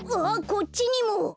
あっこっちにも！